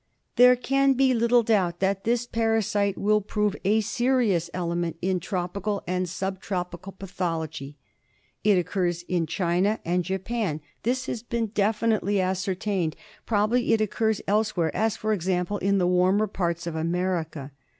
There can be little doubt that this parasite will prove a serious element in tropical and sub tropical pathology. It occurs in Cliina and Japan. This has been definitely m a phela by Dr. T. S. h ascertained. Probably it occurs elsewhere, as, for example, in the warmer parts of America.